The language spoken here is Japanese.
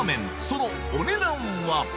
そのお値段は？